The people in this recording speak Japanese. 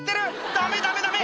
ダメダメダメ！